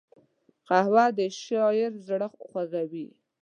قهوه د شاعر زړه خوږوي